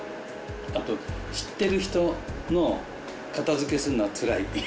あと知ってる人の片付けするのはつらい。